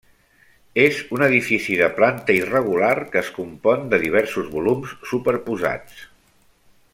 És un edifici de planta irregular que es compon de diversos volums superposats.